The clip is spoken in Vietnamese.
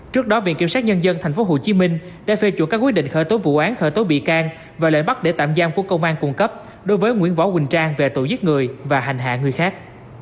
trước đó viện kiểm sát nhân dân tp hcm đã phê chủ các quyết định khởi tố vụ án khởi tố bị can và lệnh bắt để tạm giam của công an cung cấp đối với nguyễn võ quỳnh trang về tội giết người và hành hạ người khác